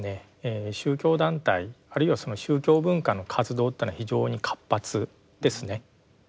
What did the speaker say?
宗教団体あるいはその宗教文化の活動というのは非常に活発ですね。